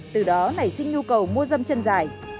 từ đó nảy sinh nhu cầu mua dâm chân dài